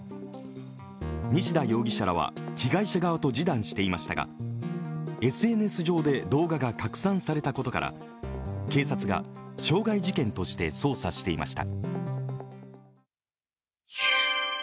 西田容疑者らは被害者側と示談していましたがＳＮＳ上で動画が拡散されたことから警察が傷害事件として捜査していました。